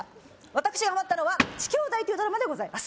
私がハマったのは「乳姉妹」というドラマでございます